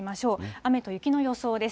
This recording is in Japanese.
雨と雪の予想です。